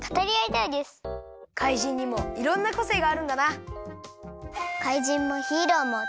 怪人にもいろんなこせいがあるんだなあ。